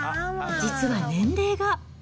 実は年齢が。